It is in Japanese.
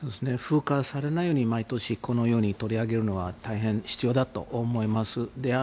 風化されないように毎年、このように取り上げるのは大変必要だと思います。